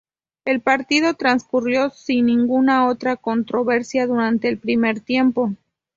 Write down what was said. El partido transcurrió sin ninguna otra controversia durante el primer tiempo.